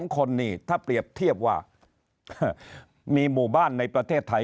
๒คนนี่ถ้าเปรียบเทียบว่ามีหมู่บ้านในประเทศไทย